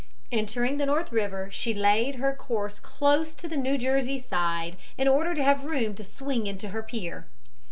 Entering the North River she laid her course close to the New Jersey side in order to have room to swing into her pier.